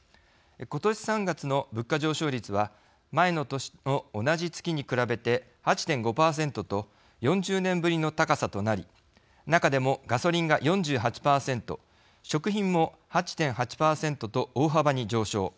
ことし３月の物価上昇率は前の年の同じ月に比べて８．５％と４０年ぶりの高さとなり中でも、ガソリンが４８％食品も８．８％と大幅に上昇。